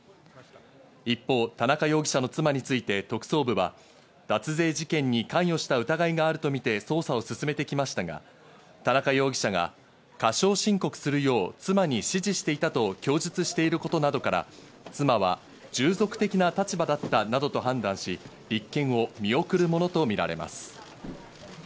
一方、田中容疑者の妻について特捜部は脱税事件に関与した疑いがあるとみて捜査を進めてきましたが、田中容疑者が過少申告するよう妻に指示していたと供述していることなどから妻は従属的な立場だったなどと判断し、立件を見送るものとみられます。